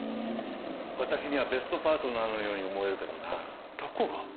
私にはベストパートナーのように思えるけどなどこが？